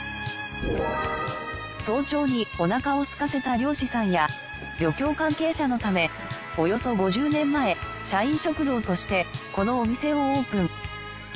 早朝におなかをすかせた漁師さんや漁協関係者のためおよそ５０年前社員食堂としてこのお店をオープン。